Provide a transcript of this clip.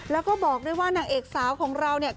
แล้วก็บอกด้วยว่านางเอกสาวของเราเนี่ย